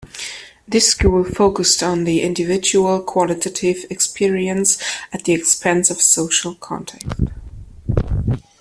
This school focused on the individual qualitative experience at the expense of social context.